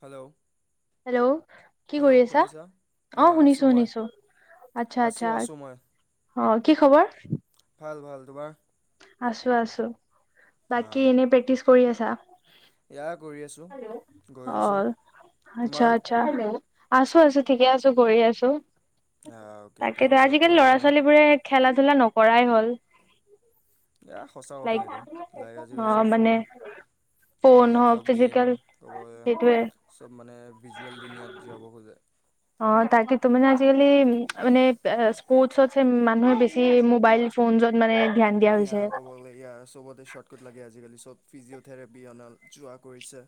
Hello. Hello. কি hello কৰি আছা? শুনিছা অ ইয়া শুনিছো আছোঁ মই শুনিছো। আচ্ছা আছোঁ আচ্ছা। আছোঁ মই অ, কি খবৰ? ভাল ভাল। তোমাৰ? আছো আছো। হা, বাকী ইনেই প্ৰেক্টিচ কৰি আছা? এয়া কৰি আছো। অ, আচ্ছা তোমাৰ আ আছো আছো ঠিকেই আছো কৰি আছো। অ'কে ঠিক তাকেটো আছে আজিকালি পঢ়া শুনা ল'ৰা-ছোৱালীবোৰে খেলা-ধূলা নকৰাই হ'ল। এ সঁচা কথা লাইক এইটো লাইক আজিকালি অ চব মানে ফোন ফোন, হওক লেপটপ গেম ফিজিকেল ক'ব সেইটোয়ে চব মানে ভিজুৱেল দুুনীয়াত জীয়াব খোজে। অ তাকেটো মানে আজিকালি মানে এ স্পৰ্টছত এ মানুহে বেছি ছি মোবাইল ফোন যত মানে ধ্যান দিয়া ইয়া হৈছে ক'ব গলে ইয়া চবতে স্বট কাট লাগে আজিকালি চব ফিজিঅ'থেৰাপি অনা যোৱা কৰিছে।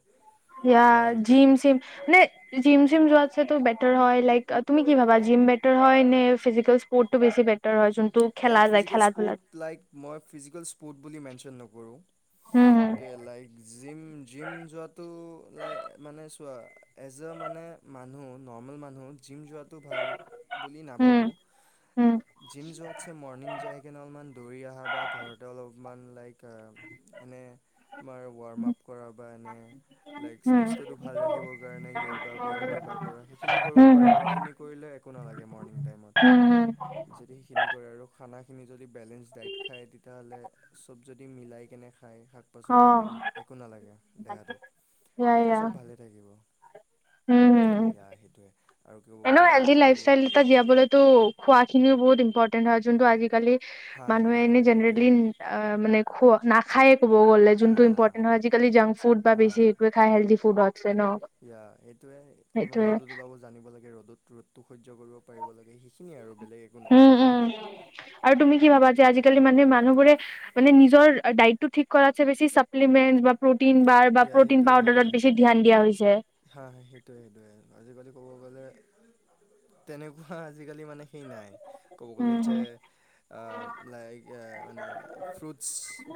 ইয়া লাইক জিম চিম নে জিম চিম যোৱাতচে বেটাৰ হয় লাইক তুমি কি ভাবা জিম বেটাৰ হয় নে ফিজিকেল স্পৰ্টছটো বেছি বেট টাৰ হয় যোনটো খেলা লাইক যায় ফিজিকেল খেলা ধূলাত স্পৰ্টছ লাইক মই ফিজিকেল স্পৰ্ট বুলি মেনচন নকৰোঁ, হুম অকে লাইক জিম জিম যোৱাটো লাই মানে চোৱা এজ এ মানে মানুহ নৰ্মেল মানুহ জিম যোৱাটো ভাল বুলি হুম নাভাবোঁ, হুম জিম যোৱাত মৰ্ণিং যাই কিনে অলপমান দৌৰি অহা বা ঘৰতে অলপ ইমান লাইক অ এনে আমাৰ ৱাৰ্ম আপ কৰা বা এনে লাইক হুম স্বাস্থ্যটো ভাল ৰাখিবৰ কাৰণে য়োগা কৰা কিবা কৰা সেইখিনি হুম কৰিব হুম পাৰে হুম সেইখিনি কৰিলে একো নালাগে মৰ্ণিং টাইমত, হুম হুম যদি সেইখিনি কৰে আৰু খানাখিনি যদি বেলেঞ্চ ডাইট খায় তেতিয়াহ'লে চব যদি মিলাই কেনে খায় শাক অ পাচলি দেন একো নেলাগে দেহাটোক, ইয়া তেতিয়া ইয়া চব ভালে থাকিব। হুম হুম ইয়া সেইটোৱে। আৰু ক'ব এনেও গ'লে হেল্ডি একো লাইফষ্টাইল এটা জীয়াবলৈতো খোৱাখিনিও বহুত ইম্পৰ্টেণ্ট হয় যোনটো আজিকালি হা মানুহে ইয়া এনে সেইটোৱে জেনেৰেলি অ মানে খোৱা নাখায়ে ক'ব গ'লে যোনটো হা ইম্পৰ্টেণ্ট হয় আজিকালি জাংক ফুড বা হা বেছি সেইটোৱে খাই হেলদি ফুডতছে ন। ইয়া এইটোয়ে অলপমান সেইটোয়ে ৰ'দত ওলাব জানিব লাগে ৰ'দত ৰ'দটো সহ্য কৰিব পাৰিব লাগে সেইখিনিয়ে আৰু বেলেগ একো নাই উম উম আৰু তুমি কি ভাবা যে আজিকালি মানে মানুহবোৰে মানে নিজৰ ডাইটটো ঠিক কৰাতছে বেছি চাপ্লিমেণ্ট বা প্ৰটিন বাৰ বা ইয়া প্ৰ'টিন সেইটোৱে সেইটোৱে পাউডাৰত বেছি ধ্যান দিয়া হৈছে। হা সেইটোৱে সেইটোৱে আজিকালি ক'ব গ'লে তেনেকুৱা আজিকালি মানে সেই নাই, ক'ব গ'লে উম যে অ লাইক এ মানে ফ্ৰুটছ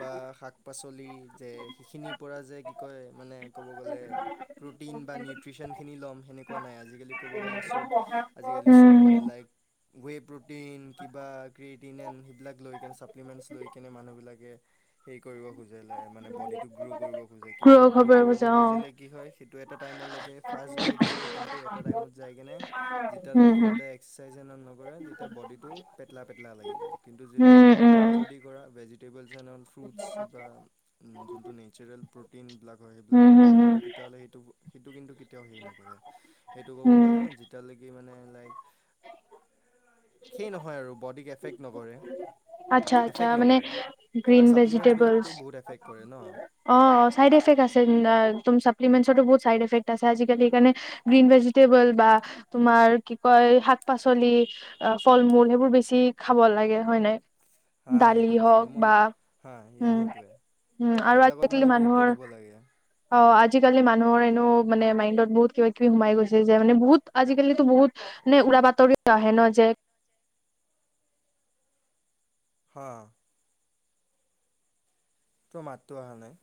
বা শাক পাচলি যে সেইখিনিৰ পৰা যে কি কয় মানে ক'ব গ'লে প্ৰটিন বা নিউট্ৰিচনখিনি ল'ম সেনেকুৱা নাই আজিকালি ক'ব গ'লে চব আজিকালি চব মানে হম লাইক ৱে প্ৰটিন কিবা কৃত টিনেন সেইবিলাক লৈ কেনে ছাপ্লিমেণ্টছ লৈ কিনে মানুহবিলাকে হেৰি কৰিব খোজে মানে বডিটো গ্ৰ' কৰিব খোজে। কিন্তু গ্ৰ' খবৰ কৰিব বুজা অ খুজিলে কি হয় সেইটো এটা টাইমলৈকে ফাৰ্ষ্ট গ্ৰ'থ দিয়ে কিন্তু এটা টাইমত যায় কিনে উম যেতিয়ালৈকে হম সিহঁতে এক্সাৰচাইজ এ নকৰে তেতিয়া বডিটো পেটলা পেটলা লাগি যায়। কিন্তু যিটো উম উম উল্টা যদি কি কৰা ভিজিটেবল এন্ড ফ্ৰুটছ বা যোনটো নেচাৰেল প্ৰটিন টিনবিলাক হয় সেইবিলাক উম খাই হম কেনে হম কৰা তেতিয়াহ'লে সেইটো সেইটো কিন্তু কেত তিয়াও হেৰি নকৰে, সেইটো ক'ব উম গ'লে যেতিয়ালৈকে মানে লাইক সেই নহয় আৰু বডিক এফেক্ট নকৰে। আচ্ছা আচ্ছা এফেক্ট মানে নকৰে, গ্ৰীণ এইবিলাক চাপ্লিমেন্টছ ভেজিটেবলছ বিলাকতো বহুত এফেক্ট কৰে ন। অ চাইড এফেক্ট আছে তম চাপ্লিমেন্টছটো বহুত চাইড এফেক্ট আছে আজিকালি সেইকাৰণে গ্ৰীণ ভেজিটেবল বা তোমাৰ কি কয় শাক-পাচলি। অ', ফল-মূল সেইবোৰ বেছি খাব লাগে হয় নাই? হা দালি সেইটোৱে ফল হওক মূল বা হা ইয়া উম সেইটোৱে উম, আৰু সেইবিলাকত মানে আজিকালি গুৰুত্ব মানুহৰ দিব লাগে অ', আজিকালি মানুহৰ এনেও মানে মাইণ্ডত বহুত কিবা কিবি সোমাই গৈছে যে মানে বহুত আজিকালিতো বহুত নে উৰা বাতৰি আহে ন' যে হা। তোৰ মাতটো অহা নাই।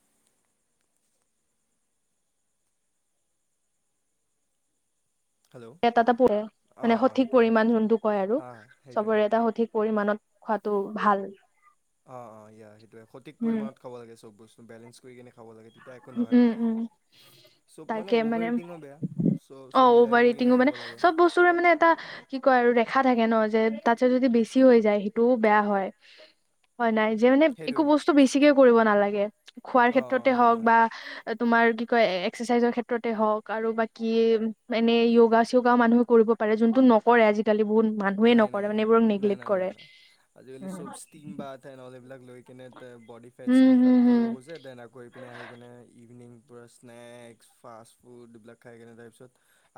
হেল্ল' [unintelligible] মানে অঁ অঁ সঠিক সেইটোৱে পৰিমাণ যোনটো কয় আৰু হা সেইটোৱে চবৰে এটা সঠিক পৰিমানত খোৱাটো ভাল। অ', অ', য়া সেইটোয়ে সঠিক উম পৰিমাণত খাব লাগে চব বস্তু বেলেঞ্চ কৰি কেনে খাব লাগে, তেতিয়া একো নহয় উম, উম। চব তাকে অভাৰ মানে ইটিঙো বেয়া চ' চব অ', মিলাই মেলি কিনে অভাৰইটিংও খাব মানে লাগে চব বস্তুৰে মানে এটা কি কয় আৰু ৰেখা থাকে ন' যে তাতছে যদি বেছি হৈ যায় সেইটোও বেয়া হয়। হয় নাই, যে মানে একো সেইটোৱে বস্তু বেছিকে কৰিব নালাগে খোৱাৰ অ ক্ষেত্ৰত অ সেইটোৱে তোমাৰ কি কয় এক্সাৰচাইজৰ ক্ষেত্ৰতে হওক আৰু বাকি এনে য়গা-চিয়গা মানুহ কৰিব পাৰে যোনটো নকৰে আজিকালি বহুত মানুহে নাই নাই নকৰে মানে এইবোৰক নেগলেট কৰে। ষ্টিমবাথ এণ্ড অল এইবিলাক লৈ কিনে বডি ফেটছখিনি কাট হম হম কৰিব খোজে দেন আকৌ ইপিনে আহিকেনে ইভিনিং পূৰা স্নেক্স, ফাষ্ট ফুড এইবিলাক খাই কিনে তাৰপিছত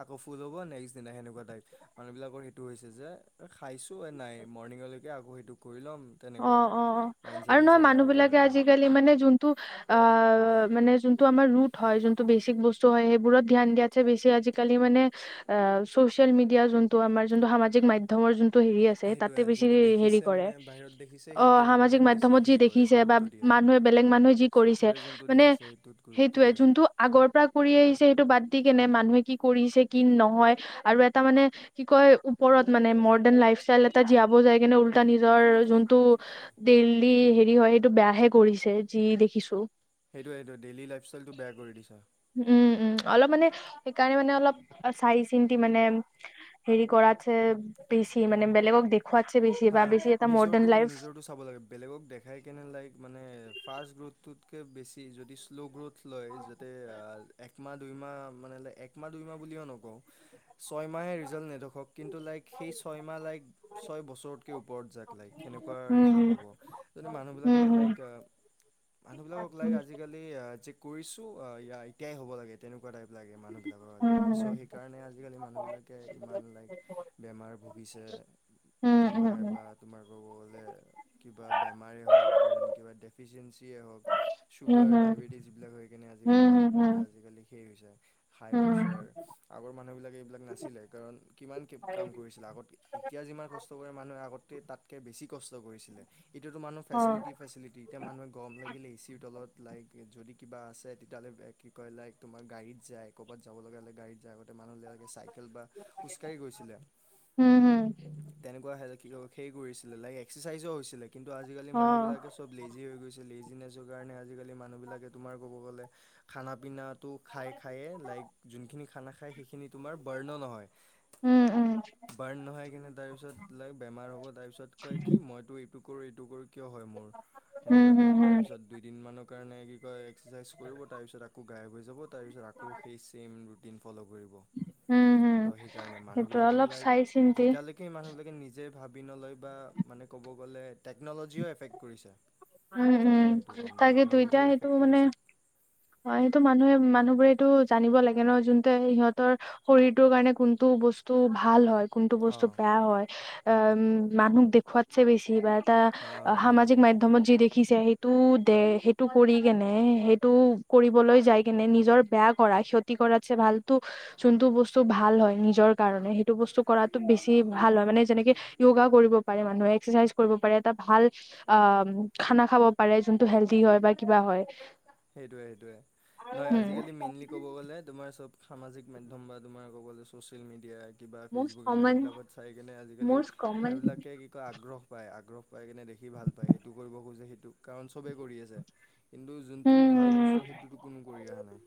আকৌ ফুল হ'ব নেক্স দিনা সেনেকুৱা টাইপ মানুহবিলাকৰ সেইটো হৈছে। যে খাইছো এ নাই মৰ্ণিঙলৈকে আকৌ সেইটো কৰি ল'ম। তেনেকুৱা অ', টাইপ অ', মাইণ্ডছেট আৰু হৈছে নহয় মানুহ আজিকালি বিলাকে মানুহৰ আজিকালি মানে জোন টো আ, মানে জোনটো আমাৰ ৰুট হয় জোনটো বেচিক বস্তু হয়, সেইবোৰত ধ্যান দিয়াত চবতছে বেছি আজিকালি মানে আ, ছচিয়েল মিডিয়া জোনটো আমাৰ জোনটো সামাজিক মাধ্যম ৰ যোনটো হেৰি আছে তাতে সেইটোৱে বেছি যোনটো হেৰি দেখিছে কৰে। মানে বাহিৰত দেখিছে অ', সেইটো মানে সামাজিক বেছি মাধ্যমত যি হেৰি কৰে দেখিছে বা গুৰুত্ব দিয়ে মানুহে বেলেগ মানুহে যি কৰিছে, চকুৰে যোনটো মানে দেখিছে সেইটোত গুৰুত্ব সেইটোয়ে দিয়া যোনটো আগৰ পৰা কৰি আহিছে, সেইটো বাদ দি কেনে মানুহে কি কৰিছে কি নহয় আৰু এটা মানে কি কয় ওপৰত মানে মডাৰ্ণ লাইফ ষ্টাইল এটা জীয়াব যায় কেনে ওলটা নিজৰ যোনটো ডেইলি হেৰি হয়, সেইটো বেয়াহে কৰিছে যি দেখিছো। সেইটোৱে সেইটোৱে ডেইলী লাইফষ্টাইলটো বেয়া কৰি দিছে। উম, উম, অলপ মানে সেইকাৰণে মানে অলপ চাই-চিন্তি মানে হেৰি কৰাতছে বেছি মানে বেলেগক দেখুৱাতছে বেছি হা বা বেছি এটা নিজৰটো মডাৰ্ণ লাইফ নিজৰটো চাব লাগে বেলেগক দেখাই কেনে লাইক মানে ফাষ্ট গ্ৰোথটোতকৈ বেছি যদি শ্ল' গ্ৰ'থ লয় যাতে একমাহ দুইমাহ মানে একমাহ দুইমাহ বুলিও নকওঁ ছয়মাহে ৰিজাল্ট নেদেখক কিন্তু লাইক সেই ছয় মাহ লাইক ছয় বছৰ ওপৰত যাক লাইক সেনেকোৱা উম ৰিজাল্ট হম পাব, মানুহবিলাকে উম হম লাইক এতিয়া মানুহবিলাকক লাইক আজিকালি যে কৰিছো য়া এতিয়াই হ'ব লাগে, তেনে কুৱা টাইপ লাগে মানুহবিলাকক উম আজিকালি ছ' হম সেই কাৰণে আজিকালি মানুহবিলাকে ইমান লাইক বেমাৰ ভুগিছে। বেমাৰ বা তোমাৰ ক'ব গ'লে কিবা বেমাৰেেই হওক যেন কিবা ডেফিচিয়েঞ্চিয়ে হওক। চুগাৰ ডায়বেটিছ এইবিলাক হৈ কিনে আজিকালি মানুহবিলাকে আজিকালি শেষ হৈছে। হাই প্ৰেছাৰ আগৰ মানুহবিলাকে এইবিলাক নাছিলে কাৰণ কিমান কাম কৰিছিলে, আগত এতিয়া যিমান কষ্ট কৰে মানুহে আগতে তাতকে বেছি কষ্ট কৰিছিলে। এতিয়াতো মানুহ ফেচিলিটি ফেচিলিটি। এতিয়া মানুহে গৰম লাগিলে এ চিৰ তলত লাইক যদি কিবা আছে তেতিয়া হ'লে কি কয় লাইক তোমাৰ গাড়ীত যায়। ক'ৰবাত যাব লগা হ'লে গাড়ীত যায় আগতে মানুহবিলাকে চাইকেল বা খোজকাঢ়ি গৈছিলে। উম উম। তেনেকুৱা [unintelligible] হেৰি কৰিছিলে লাইক এক্সাৰচাইজও হৈছিলে কিন্তু আজিকালি মানুহ বিলাকে চব লেজি হৈ গৈছে লেজিনেছৰ কাৰণে আজিকালি মানুহবিলাকে তোমাৰ ক'ব গ'লে খানা পিনাটো খাই খায়ে লাইক যোনখিনি খানা খায় সেইখিনিত তোমাৰ বাৰ্ণও নহয়, বাৰ্ণ নহয় কেনে তাৰপিছত বেমাৰ হ'ব তাৰ পিছত কয় কি মইতো এইটো কৰো এইটো কৰো কিয় হয় মোৰ? সেনেুৱা টাইপ। তাৰিপিছত দুইদিনমানৰ কাৰণে কি কয় এক্সাৰচাইজ কৰিব তাৰপিছত আকৌ গাইপ গৈ যাব তাৰপিছত আকৌ সেই চেম ৰুটিন ফ'ল' কৰিব টো সেইকাৰণে মানুহ সেইটো বিলাকৰ অলপ লাইক চাই চিন্তি যেতিয়ালৈ সেই মানুহবিলাকে নিজে ভাবি নলয় বা মানে ক'ব গ'লে টেকন'লজিও এফেক্ট কৰিছে। উম উম মই সেইটো ক'ম টেকন'লজিও এফেক্ট কৰিছে। অ, সেইটো মানুহে মানুহবোৰেটো জানিব লাগে ন' যোনতে সিহঁতৰ শৰীৰটোৰ কাৰণে কোনটো বস্তু ভাল হয় কোনটো বস্তু অঁ বেয়া হয় আ উম, মানুহক দেখুৱাতছে বেছি বা তা অঁ সামাজিক সেইটোৱে মাধ্যম ধমত যি দেখিছে সেইটো দে সেইটো কৰি কেনে সেইটো কৰিবলৈ যায় কেনে নিজৰ বেয়া কৰা ক্ষতি কৰাতছে ভালতো যোনটো বস্তু ভাল হয় নিজৰ কাৰণে সেইটো বস্তু কৰাত বেছি ভাল হয় মানে যেনেকে য়োগা কৰিব পাৰে মানুহে এক্সাৰচাইজ কৰিব পাৰে এটা ভাল অ, খানা খাব পাৰে যোনটো হেল্ডি হয় বা কিবা হয়। সেইটোয়ে সেইটোয়ে, নহয় উম আজিকালি মেইনলি ক'ব গ'লে তোমাৰ চব সামাজিক মাধ্যম বা তোমাৰ ক'ব গ'লে ছ'চিয়েল মিডিয়াই কিবা মষ্ট ফেচবুকে নে কমন সেইবিলাকত চাই কেনে আজিকালি মষ্ট কমন এইবিলাকে কি কয় আগ্ৰহ পায় আগ্ৰহ পাই কেনে দেখি ভাল পায় সেইটো কৰিব খুজে কাৰণ চবে কৰি আছে কিন্তু যো যোনটো ভাল উম বস্তু সেইটোতো কোনো কৰি অহা নাই।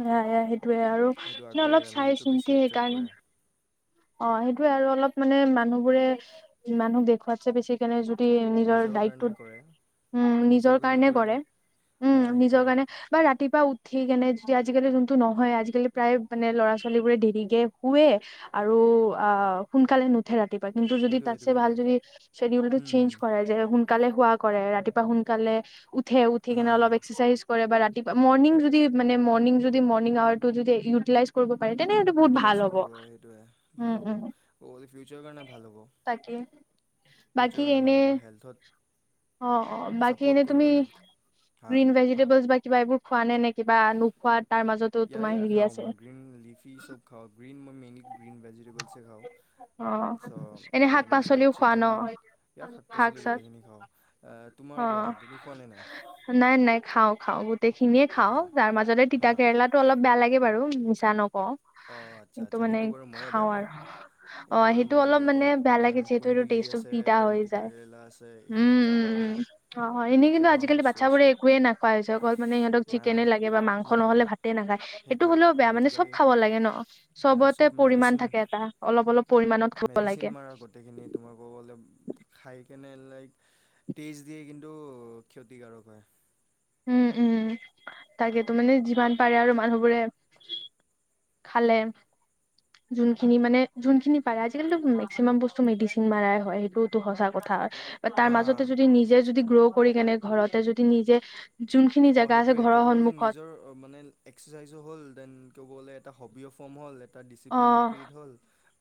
সেয়া সেয়া সেইটোয়ে আৰু সেইটো কিনো আগবাঢ়ি অলপ অহা নাই চাই সেইটো বেছি চিন্তি এট্ৰেক্ট সেইকাৰণে। কৰে অ, সেইটোৱে আৰু অলপ মানে মানুহ বোৰে মানুহক দেখুৱাতছে বেছি কেনে যদি নিজৰ কাৰণে দাইতটোত কৰে উম, নিজৰ কাৰণে কৰে। হা উম, নিজৰ সেইটোৱে কাৰনে বা ৰাতিপুৱা উঠি কেনে যদি আজিকালি যোনটো নহয় আজিকালি প্ৰায় ল'ৰা ছোৱালী দেৰিকে শুৱে আৰু অ, সোনকালে নুঠে ৰাতিপুৱা কিন্তু যদি সেইটোৱে তাতছে সেইটোৱে ভাল সেইটোৱে যদি চ্বেডিউল টো হুম হুম চেঞ্জ কৰে সোনকালে শুৱা কৰে ৰাতিপুৱা সোনকালে উঠে উঠি হা কেনে হা অলপ একচেৰচাইজ কৰে বা ৰাতিুপুৱা মৰ্নিং যদি মানে মৰ্নিং যদি মৰ্নিং ৱাৰটো যদি ইউটিলাইচ কৰিব পাৰি তেনে সেইটো বহুত ইউটিলাইজ ভাল হ'ব। কৰিব পাৰে সেইটোৱে। উম, ভাল হ'ব উম, ক'ব গ'লে ফিউচাৰ কাৰণে ভাল হ'ব। তাকে ফিউচাৰ বাকী কাৰণে এনে ভাল হ'ব হেল্থত অ', অ', বাকী ছাপৰ্ট এনে কৰিব তুমি হেল্থ হা গ্ৰীন ভেজিটেবল বা কিবা এইবোৰ খোৱা নে নে কিবা নোখোৱা তাৰ মাজতো তোমাৰ হেৰি আছে? ফি চব খাওঁ গ্ৰীণ মই মেনিক গ্ৰীণ ভেজিটেবলছে অ খাওঁ। এনে ছ' মই শাক ইমান পাচলিও খোৱা ন চিকেন ইয়াক শাক পাচলি গোটেইখিনি খাওঁ, আ অ তোমাৰ কোৱা তুমি খোৱা নে নাই? নাই নাই খাও খাওঁ গোটেই খিনিয়ে খাওঁ অ'কে তাৰ মাজতে তিতা হা কেৰেলা টো অলপ বেয়া লাগে বাৰু মিছা নকওঁ অঁ আচ্ছা কিন্তু আচ্ছা মানে সেইটো বাৰু ময়ো খাওঁ বেয়া পাওঁ আৰু। অ বাৰু সেইটো ময়ো অলপ মানে পাওঁ বেয়া দেন লাগে যিহেতু সেইটো কুন্দুলি টেষ্টটো আছে তিতা দেন হৈ যায়। তিতাকেৰেলা আছে এইখিনি উম বেয়া উম পাওঁ উম। আৰু অ হয় এই এনেই কিন্তু কেইটামান আজিকালি বস্তু বাচ্ছাবোৰে আছে একোৱে নাপাই, [inaudible] অকল মানে সিহঁতক না না চিকেনে লাগে মাংস নাই নাই নহলে ভাত তে নাখায়, এইটো সেইটোৱে হ'লেও আৰু বেয়া মানে চব আজিকালি খাব লাগে ন? তে চব পৰিমাণ মেডিচিন থাকে এটা অলপ অলপ পৰিমানত খাব লাগে। তাৰ গোটেইখিনিত তোমাক ক'ব গ'লে খাই কেনে লাইক তেষ্ট দিয়ে কিন্তু ক্ষতিকাৰক হয়। উম উম তাকেতো মানে যিমান পাৰে আৰু মানুহবোৰে খালে যোনখিনি মানে যোনখিনি পাৰা আজিকালিতো মেক্সিমাম বস্তু মেডিচিন মাৰাই হয়, সেইটো টো সঁচা কথা তাৰ হা হা মাজতে যদি নিজে যদি গ্ৰ কৰি কেনে ঘৰতে যদি নিজে যোনখিনি অ জেগা আছে সেইটোৱে ঘৰৰ ক'ব গ'লে সন্মুখত নিজৰ মানে এক্সাৰচাইজও হ'ল দেন ক'ব গ'লে এটা সবিয় ফ্ৰম হ'ল। তাত অ ডিচিপ্লিনো ক্ৰিয়েট হ'ল,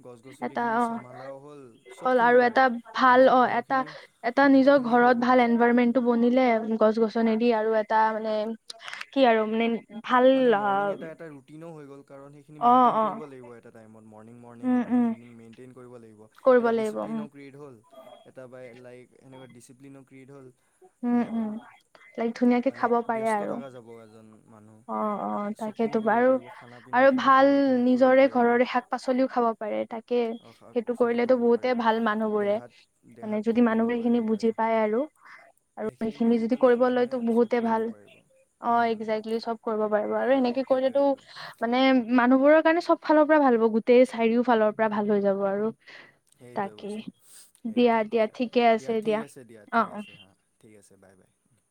গছ এটা গছনিখিনি অ চামভালাও হ'ল হ'ল চবখিনি আৰু এটা পাৰে। ভাল নিজৰ অ এটা ঘৰৰখিনি এটা নিজৰ খাদ্যখিনিও ঘৰত কৰিব ভাল পাৰিল এনভাইৰমেন্ট টো বনিলে গছ গছনি দি আৰু এটা মানে কি আৰু মানে ভাল মানে মৰ্ণিং এটা অ এটা ৰুটিনো হৈ গ'ল, কাৰণ সে সেইখিনি মেইন্টেইন অ কৰিব লাগিব এটা টাইমত মৰ্ণি মণিং um um evening evening maintain কৰিব লাগিব। কৰিব এটা লাগিব উম ডিচিপ্লিনো ক্ৰিয়েট হ'ল, এটা বা লাইক এনেকুৱা ডিচিপ্লিনো ক্ৰিয়েট হ'ল। উম উম সেনেকোৱা লাইক ধুনীয়াকে মানে খাব পাৰে ব্যস্ত আৰু থকা যাব এজন অ মানুহ। অ চবখিনি তাকেইতো কৰিব আৰু পাৰিব খানা আৰু পিনাখিনিও ভাল ঘৰৰখিনি কৰিব নিজৰে পাৰিব ঘৰৰে শাক পাচলিও খাব পাৰে তাক কে সেইটো শাক-পাচলি কৰিলেটো খুৱাব বহুতে পাৰিব ভাল মানুহ বোৰে দেহাত মানে দেহাত যদি ক্ষতি মানুহে নকৰে সেইখিনি বুজি সেইটোৱে। পাই আৰু। আৰু সেইখিনি বুজি যদি পালে কৰিব লয়টো মানুহে চব বহুতে কৰিব ভাল, পাৰিব। অ আজেক্ত লি চব কৰিব পাৰিব আৰু ইয়া এনেকে কৰিলেটো সেইটোৱে আৰু মানে মানুহবোৰৰ কাৰণে চব ফালৰ পৰা ভাল হ'ব গোটেই চাৰিওফালৰ পৰা ভাল হৈ যাব আৰু। সেইটোৱে তাকে বস্তু, সেই দিয়া তাকে দিয়া আৰু ঠিকে আছে দিয়া ঠিক আছে দিয়া অ ঠিক অ আছে হা। ঠিক আছে বাই বাই।